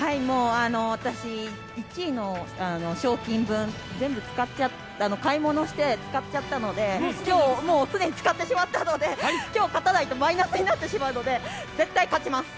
私、１位の賞金分全部買い物して、使っちゃったので、今日勝たないとマイナスになってしまうので絶対勝ちます！